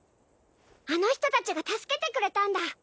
あの人達が助けてくれたんだ